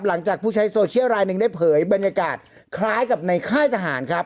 หลังจากผู้ใช้โซเชียลลายหนึ่งได้เผยบรรยากาศคล้ายกับในค่ายทหารครับ